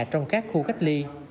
trong các khu cách ly